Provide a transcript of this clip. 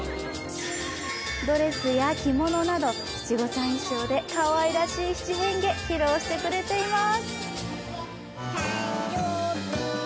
ドレスや着物など七五三衣装でかわいらしい七変化、披露してくれています。